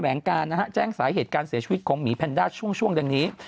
ลงการนะฮะแจ้งสาเหตุการเสียชีวิตของหมีแพนด้าช่วงดังนี้